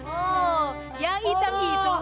oh yang hitam itu